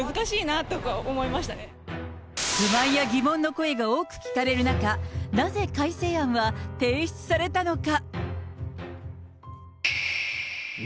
不満や疑問の声が多く聞かれる中、なぜ改正案は提出されたのか。